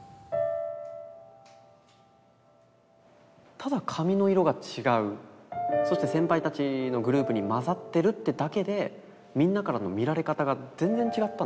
ただ髪の色が違うそして先輩たちのグループに混ざってるってだけでみんなからの見られ方が全然違ったんですよ。